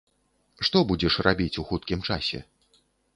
Што будзеш рабіць ў хуткім часе?